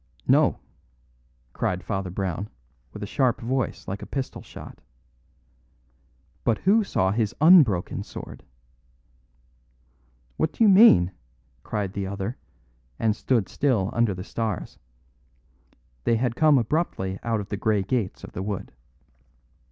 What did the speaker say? "No," cried Father Brown, with a sharp voice like a pistol shot; "but who saw his unbroken sword?" "What do you mean?" cried the other, and stood still under the stars. They had come abruptly out of the grey gates of the wood.